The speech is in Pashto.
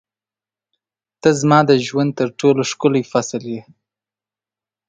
• ته زما د ژوند تر ټولو ښکلی فصل یې.